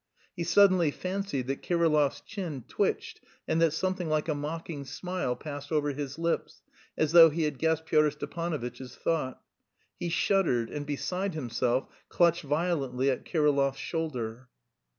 He suddenly fancied that Kirillov's chin twitched and that something like a mocking smile passed over his lips as though he had guessed Pyotr Stepanovitch's thought. He shuddered and, beside himself, clutched violently at Kirillov's shoulder.